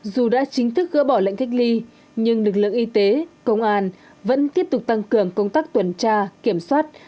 dù đã chính thức gỡ bỏ lệnh cách ly nhưng lực lượng y tế công an vẫn tiếp tục tăng cường công tác tuần tra kiểm soát